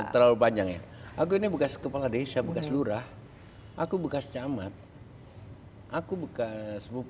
terlalu panjang ya aku ini bukan kepala desa bukan seluruh aku bekas camat aku buka sebuah